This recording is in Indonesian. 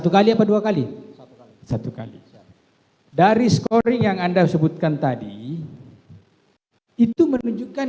seribu tiga ratus tiga belas satu ratus tiga puluh satu kali apa dua kali satu kali dari scoring yang anda sebutkan tadi itu menunjukkan